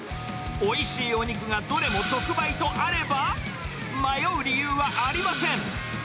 おいしいお肉がどれも特売とあれば、迷う理由はありません。